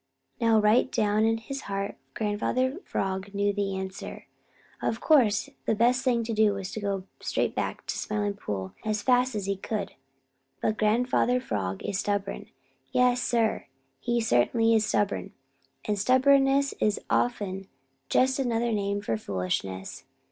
Now right down in his heart Grandfather Frog knew the answer. Of course the best thing to do was to go straight back to the Smiling Pool as fast as he could. But Grandfather Frog is stubborn. Yes, Sir, he certainly is stubborn. And stubbornness is often just another name for foolishness.